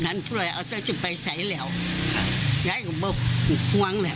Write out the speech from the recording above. ไงผมบอกหนึ่งง้องนะ